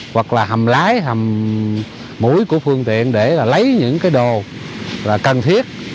hoặc là hầm lái hầm mũi của phương tiện để là lấy những cái đồ là cần thiết